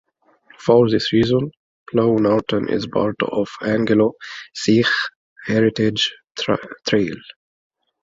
For this reason, Blo' Norton is part of the Anglo-Sikh Heritage trail.